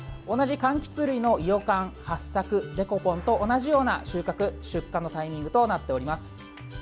同じかんきつ類のいよかん、はっさく、デコポンと同じような収穫・出荷のタイミングとなっております。